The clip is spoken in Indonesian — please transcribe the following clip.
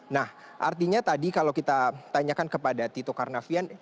nah artinya tadi kalau kita tanyakan kepada tito karnavian